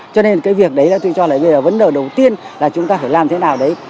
cho nên cái việc đấy tôi cho là vấn đề đầu tiên là chúng ta phải làm thế nào đấy